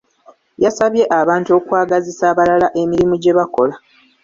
Yasabye abantu okwagazisa abalala emirimu gye bakola.